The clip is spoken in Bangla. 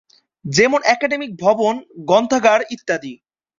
যেমন একাডেমিক ভবন, গ্রন্থাগার ইত্যাদি।